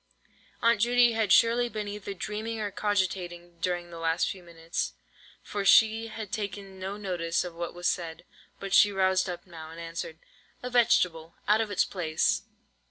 Aunt Judy had surely been either dreaming or cogitating during the last few minutes, for she had taken no notice of what was said, but she roused up now, and answered:— "A vegetable out of its place."